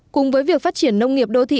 cùng với việc phát triển nông nghiệp đô thị